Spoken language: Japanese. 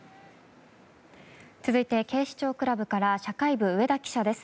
続いて、警視庁クラブから社会部、上田記者です。